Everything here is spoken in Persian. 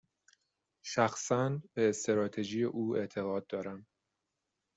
شخصا، به استراتژی او اعتقاد دارم.